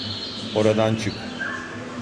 Oradan çık.